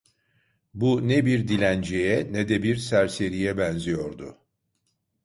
Bu, ne bir dilenciye, ne de bir serseriye benziyordu.